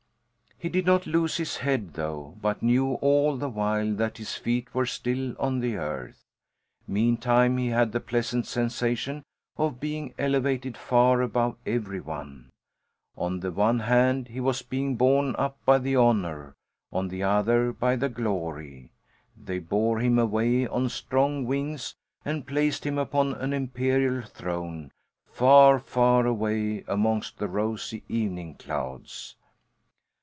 He did not lose his head, though, but knew all the while that his feet were still on the earth. Meantime, he had the pleasant sensation of being elevated far above every one. On the one hand, he was being borne up by the honour, on the other by the glory. They bore him away on strong wings and placed him upon an imperial throne, far, far away amongst the rosy evening clouds.